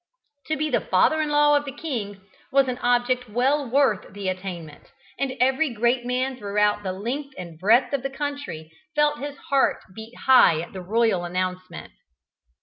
To be the father in law of the king was an object well worth the attainment, and every great man throughout the length and breadth of the country felt his heart beat high at the royal announcement.